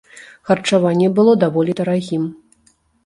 Харчаванне было даволі дарагім.